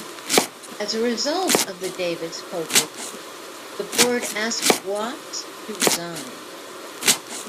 As a result of the Davis Polk Report, the Board asked Watts to resign.